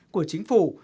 của chính phủ